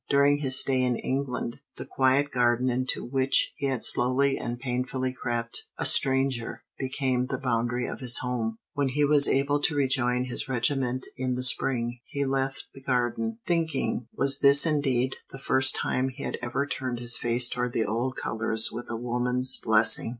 During his stay in England, the quiet garden into which he had slowly and painfully crept, a stranger, became the boundary of his home; when he was able to rejoin his regiment in the spring, he left the garden, thinking was this indeed the first time he had ever turned his face toward the old colors with a woman's blessing!